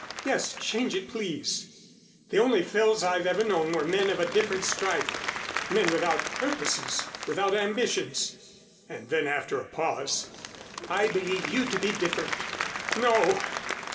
"Yes, change it, please. The only Phils I've ever known were men of a different stripe men without purposes, without ambitions." And then, after a pause, "I believe you to be different." "No!